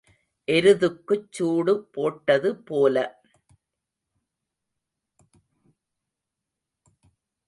எருதுக்குச் சூடு போட்டது போல.